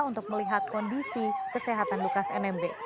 untuk melihat kondisi kesehatan lukas nmb